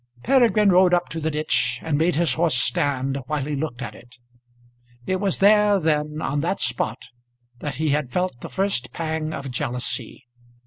Peregrine rode up to the ditch, and made his horse stand while he looked at it. It was there, then, on that spot, that he had felt the first pang of jealousy.